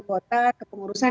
dan dari keputusan